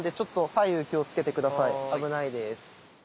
危ないです。